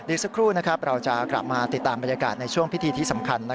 อีกสักครู่เราจะกลับมาติดตามบรรยากาศในช่วงพิธีที่สำคัญ